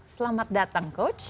selamat datang coach